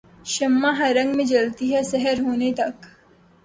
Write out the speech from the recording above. شمع ہر رنگ میں جلتی ہے سحر ہوتے تک